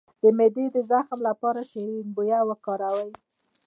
د معدې د زخم لپاره شیرین بویه وکاروئ